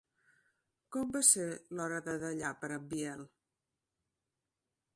Com va ser l'hora de dallar per a en Biel?